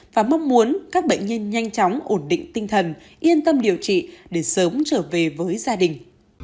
và mong muốn các bệnh nhân nhanh chóng ổn định tinh thần yên tâm điều trị để sớm trở về với gia đình